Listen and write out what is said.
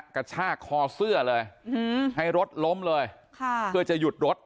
กระชากคอเสื้อเลยให้รถล้มเลยค่ะเพื่อจะหยุดรถ